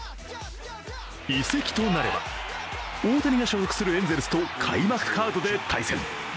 移籍となれば大谷が所属するエンゼルスと開幕カードで対戦。